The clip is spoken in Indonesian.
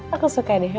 aku suka deh